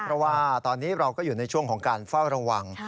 เพราะว่าตอนนี้เราก็อยู่ในช่วงของการเฝ้าระวัง